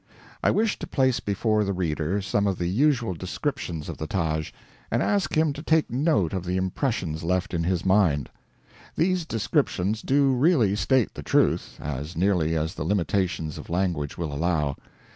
I wish to place before the reader some of the usual descriptions of the Taj, and ask him to take note of the impressions left in his mind. These descriptions do really state the truth as nearly as the limitations of language will allow.